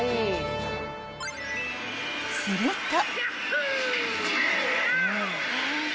［すると］